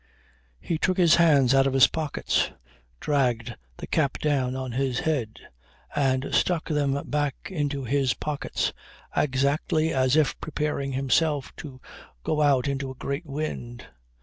He took his hands out of his pocket, dragged the cap down on his head and stuck them back into his pockets, exactly as if preparing himself to go out into a great wind.